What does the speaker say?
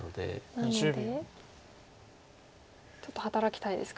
なのでちょっと働きたいですか。